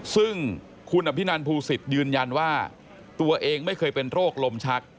ซึ่งคุณอภินันภูศิษย์ยืนยันว่าตัวเองไม่เคยเป็นโรคลมชัก